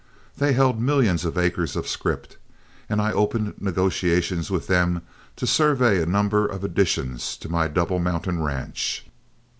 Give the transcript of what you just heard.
They held millions of acres of scrip, and I opened negotiations with them to survey a number of additions to my Double Mountain range.